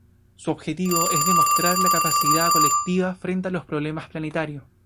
Su objetivo es demostrar la capacidad colectiva frente a los problemas planetarios.